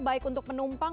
baik untuk penumpang